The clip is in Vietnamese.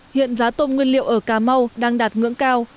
hiện giá tôm nguyên liệu ở cà mau đang đạt ngưỡng cao